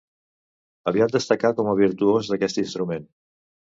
Aviat destacà com a virtuós d'aquest instrument.